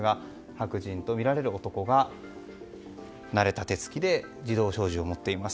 白人とみられる男が慣れた手つきで自動小銃を持っています。